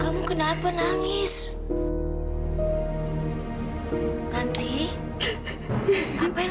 kamu sengaja sengaja